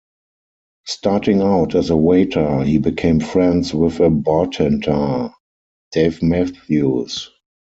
Starting out as a waiter he became friends with a bartender, Dave Matthews.